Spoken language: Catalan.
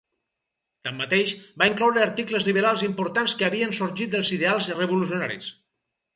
Tanmateix, va incloure articles liberals importants que havien sorgit dels ideals revolucionaris.